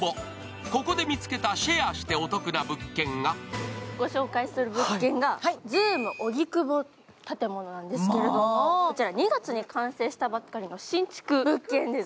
ここで見つけたシェアしてお得な物件がご紹介する物件が、ＺＯＯＭ荻窪という建物なんですけど、２月に完成したばかりの新築物件です。